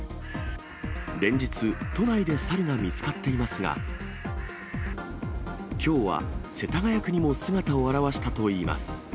連日、都内で猿が見つかっていますが、きょうは世田谷区にも姿を現したといいます。